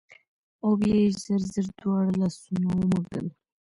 او بيا يې زر زر دواړه لاسونه ومږل